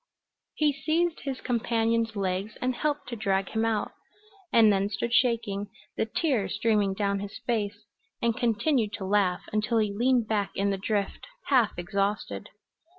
He seized his companion's legs and helped to drag him out, and then stood shaking, the tears streaming down his face, and continued to laugh until he leaned back in the drift, half exhausted.